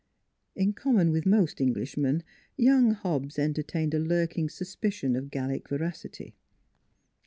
In common with most Englishmen young Hobbs entertained a lurking suspicion of Gallic veracity.